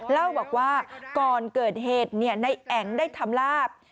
เล่าบอกว่าก่อนเกิดเหตุในแอ๋งได้ทำลาบ